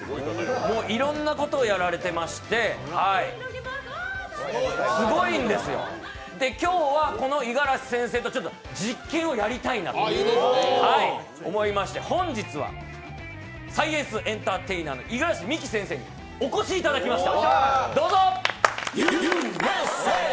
いろんなことをやられていましてすごいんですよ、今日は五十嵐先生と実験をやりたいなと思いまして、本日はサイエンスエンターテイナーの五十嵐美樹先生にお越しいただきました。